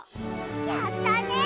やったね！